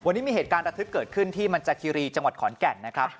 วันนี้มีเหตุการณ์ระทึกเกิดขึ้นที่มันจากคีรีจังหวัดขอนแก่นนะครับ